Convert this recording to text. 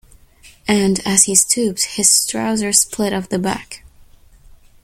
And, as he stooped, his trousers split up the back.